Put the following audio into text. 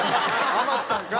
余ったんかい！